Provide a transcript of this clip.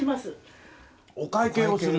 お会計をする？